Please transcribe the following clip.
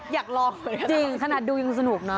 อยากลองเหมือนกันนะจริงขนาดดูยังสนุกนะ